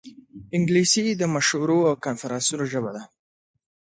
انګلیسي د مشورو او کنفرانسونو ژبه ده